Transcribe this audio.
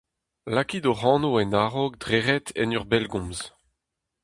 Lakait hoc'h anv en a-raok dre ret en ur bellgomz.